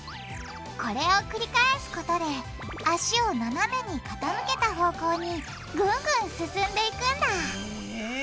これを繰り返すことで脚をななめにかたむけた方向にぐんぐん進んでいくんだへぇ。